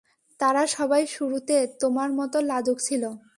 তারা সবাই শুরুতে তোমার মতো লাজুক ছিল।